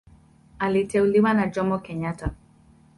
Aliteuliwa na Jomo Kenyatta.